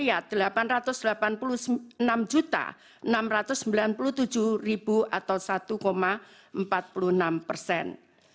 atau satu empat puluh enam persen